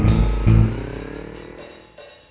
bukannya kamu sudah berubah